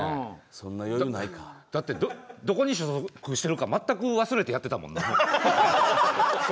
だって、どこに所属してるか、全く忘れてやってたもんな。